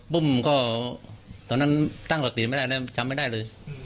ปุ้มก็ตอนนั้นตั้งหลักติดไม่ได้จำไม่ได้เลย